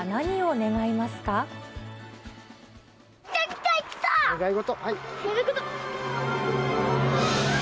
願い事。